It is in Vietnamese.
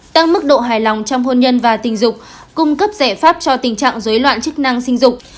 tăng mức độ hài lòng trong hôn nhân và tình dục cung cấp giải pháp cho tình trạng dối loạn chức năng sinh dục